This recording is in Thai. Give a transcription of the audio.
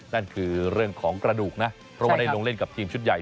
นั่นคือเรื่องของกระดูกนะเพราะว่าได้ลงเล่นกับทีมชุดใหญ่